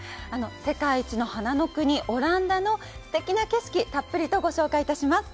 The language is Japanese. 世界一の花の国、オランダのすてきな景色をたっぷりとご紹介いたします。